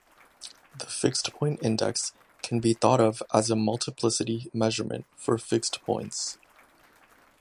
The fixed-point index can be thought of as a multiplicity measurement for fixed points.